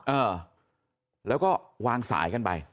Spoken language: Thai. เออแล้วก็วางสายกันไป